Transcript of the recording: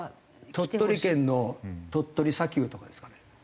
鳥取県の鳥取砂丘とかですかね。